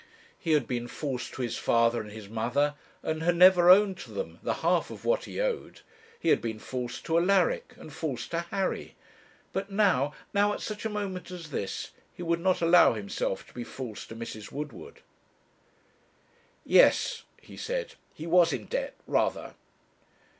He had been false to his father and his mother, and had never owned to them the half of what he owed; he had been false to Alaric, and false to Harry; but now, now, at such a moment as this, he would not allow himself to be false to Mrs. Woodward. 'Yes,' he said, 'he was in debt rather.'